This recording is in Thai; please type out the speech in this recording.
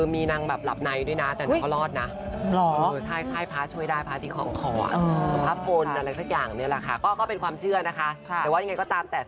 มีนางและที่นำน้ำเวียบหน้าเคราะหล่อก็ุ่นนะ